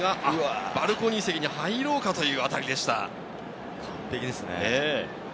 バルコニー席に入ろうかというような当た完璧ですね。